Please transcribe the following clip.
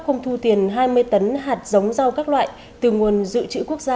không thu tiền hai mươi tấn hạt giống rau các loại từ nguồn dự trữ quốc gia